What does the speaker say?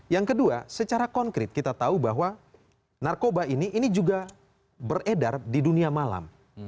yang kedua secara konkret kita tahu bahwa narkoba ini ini juga beredar di dunia malam